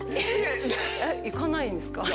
行かないんですか？